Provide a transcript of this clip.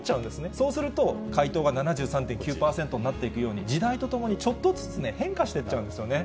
そうすると、回答が７３．９％になっていくように、時代とともにちょっとずつ変化していっちゃうんですよね。